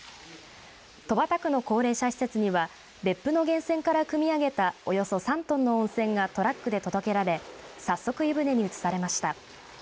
戸畑区の高齢者施設には別府の源泉からくみ上げたおよそ３トンの温泉がトラックで届けられ早速、湯船に移されました。